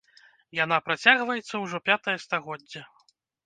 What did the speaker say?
Яна працягваецца ўжо пятае стагоддзе.